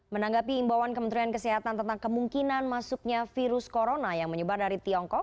menanggapi imbauan kementerian kesehatan tentang kemungkinan masuknya virus corona yang menyebar dari tiongkok